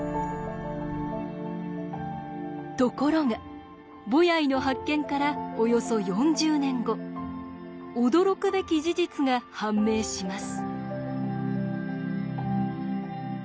ところがボヤイの発見からおよそ４０年後驚くべき事実が判明します。